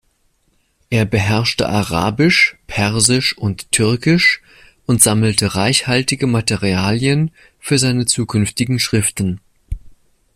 Er beherrschte Arabisch, Persisch und Türkisch und sammelte reichhaltige Materialien für seine zukünftigen Schriften.